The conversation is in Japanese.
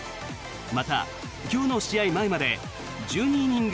また、今日の試合前まで１２イニング